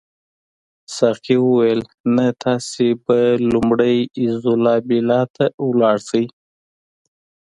ساقي وویل نه تاسي به لومړی ایزولا بیلا ته ولاړ شئ.